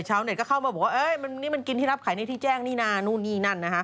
ชาวนิสก็เข้ามามันกินที่รับไขใต้ที่แจ้งนี่น่านูนี่นั่น